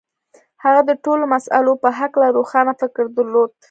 هغه د ټولو مسألو په هکله روښانه فکر درلود.